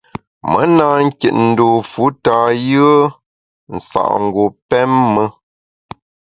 Me na nkit dû fu tâ yùe nsa’ngu pém me.